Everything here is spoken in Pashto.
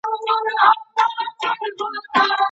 ماشومان نه وهل کېږي.